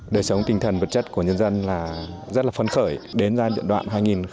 đời sống tinh thần vật chất của nhân dân rất là phấn khởi đến giai đoạn hai nghìn hai mươi